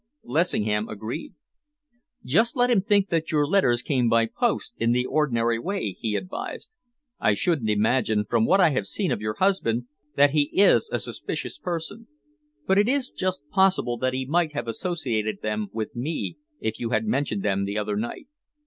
Lessingham agreed. "Just let him think that your letters came by post in the ordinary way," he advised. "I shouldn't imagine, from what I have seen of your husband, that he is a suspicious person, but it is just possible that he might have associated them with me if you had mentioned them the other night.